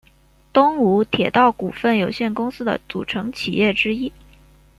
东武铁道股份有限公司的组成企业之一。